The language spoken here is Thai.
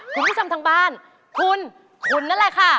คุณผู้ชมทางบ้านคุณคุณนั่นแหละค่ะ